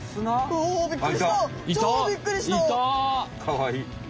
かわいい。